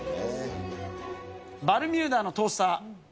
バルミューダのトースター。